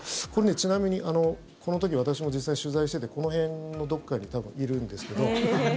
ちなみにこの時、私も実際取材しててこの辺のどこかに多分いるんですけど。